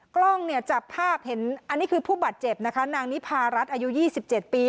กล้องเนี่ยจับภาพเห็นอันนี้คือผู้บาดเจ็บนะคะนางนิพารัฐอายุ๒๗ปี